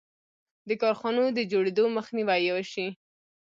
د کارخانو د جوړېدو مخنیوی یې وشي.